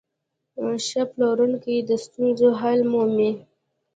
ښه پلورونکی د ستونزو حل مومي.